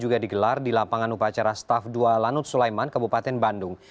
tergelar di lapangan upacara staf dua lanut sulaiman kabupaten bandung